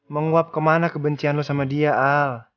menguap kemana kebencian lo sama dia al